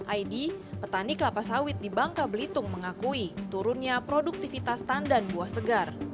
aidi petani kelapa sawit di bangka belitung mengakui turunnya produktivitas tandan buah segar